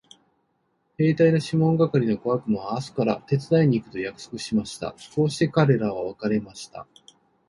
兵隊のシモン係の小悪魔は明日から手伝いに行くと約束しました。こうして彼等は別れました。